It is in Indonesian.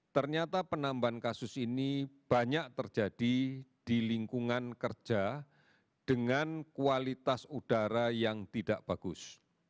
ternyata penambahan kasus ini banyak terjadi di lingkungan kerja dengan kualitas udara yang tidak bagus